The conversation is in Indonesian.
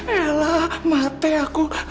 yalah mati aku